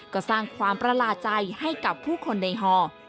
ก็สร้างความประหลาดใจให้กับผู้คนในห่อ